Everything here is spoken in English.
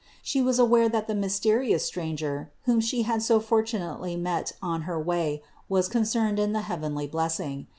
She was aware that the mysterious Stranger, whom she had so fortunately met on her way was concerned in the heavenly blessing.